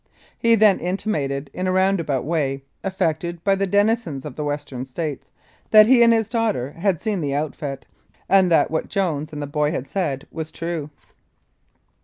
He then intimated, in a round about way, affected by the denizens of the Western States, that he and his daughter had seen the outfit and that what Jones and the boy had said was rue.